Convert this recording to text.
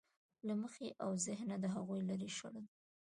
له مخې او ذهنه د هغوی لرې شړل.